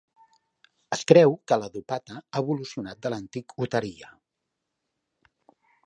Es creu que la "dupatta" ha evolucionat de l'antic "uttariya".